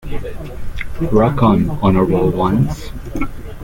Rock on Honorable Ones!!